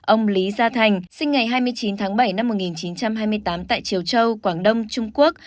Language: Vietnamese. ông lý gia thành sinh ngày hai mươi chín tháng bảy năm một nghìn chín trăm hai mươi tám tại triều châu quảng đông trung quốc